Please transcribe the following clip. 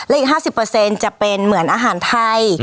อีก๕๐จะเป็นเหมือนอาหารไทย